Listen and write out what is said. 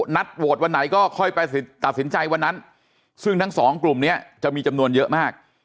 โหวตวันไหนก็ค่อยไปตัดสินใจวันนั้นซึ่งทั้งสองกลุ่มนี้จะมีจำนวนเยอะมาก